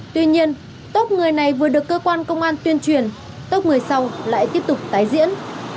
tuy nhiên tốc người này vừa được cơ quan công an tuyên truyền tốc người sau lại tiếp tục tái diễn